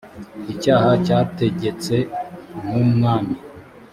icyaha cyategetse nk umwami